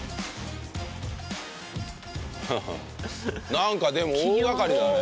なんかでも大掛かりだね。